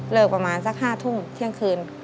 ประมาณสัก๕ทุ่มเที่ยงคืน